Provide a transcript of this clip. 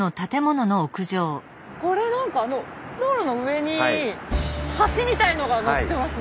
これなんかあの道路の上に橋みたいのがのってますね！